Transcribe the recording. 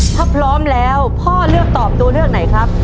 ถ้าพร้อมแล้วพ่อเลือกตอบตัวเลือกไหนครับ